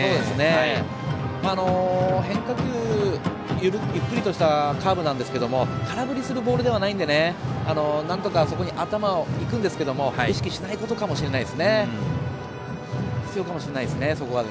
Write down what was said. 変化球、ゆっくりとしたカーブなんですが空振りするボールではないのでなんとか頭がいくんですけど意識しないことかもしれません。